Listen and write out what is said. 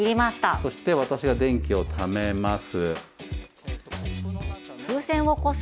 そして私が電気をためます。